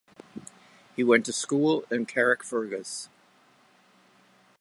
He went to school in Carrickfergus.